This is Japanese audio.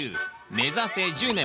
「目指せ１０年！